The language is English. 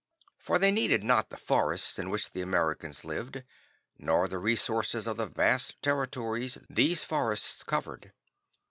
For they needed not the forests in which the Americans lived, nor the resources of the vast territories these forests covered.